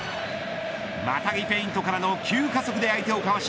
またぎフェイントからの急加速で相手をかわし